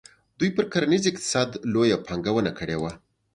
دوی پر کرنیز اقتصاد لویه پانګونه کړې وه.